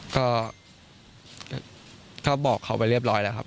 ก็บอกเขาไปเรียบร้อยแล้วครับ